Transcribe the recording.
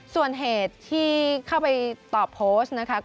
ส่วนเหตุที่เข้าไปตอบโพสต์นะคะ